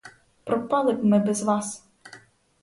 Пропали б ми без вас.